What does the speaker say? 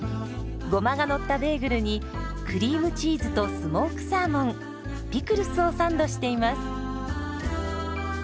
ゴマがのったベーグルにクリームチーズとスモークサーモンピクルスをサンドしています。